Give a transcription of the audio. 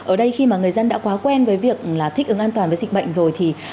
ở đây khi mà người dân đã quá quen với việc là thích ứng an toàn với dịch bệnh rồi